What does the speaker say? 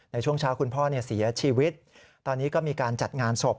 ในช่วงเช้าคุณพ่อเสียชีวิตตอนนี้ก็มีการจัดงานศพ